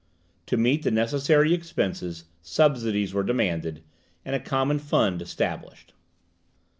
To meet the necessary expenses, subsidies were demanded, and a common fund established.